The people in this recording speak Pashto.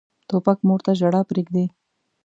توپک مور ته ژړا پرېږدي.